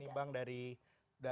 ini bang daripada kondisi global ini